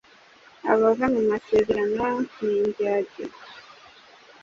abava mu masezerano n’indyarya